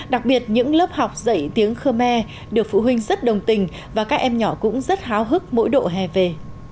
đặc biệt những lớp học dạy tiếng khmer được phụ huynh rất đồng tình và các em nhỏ cũng rất háo hức mỗi độ hè về